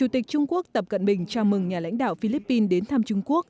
tại hội đàm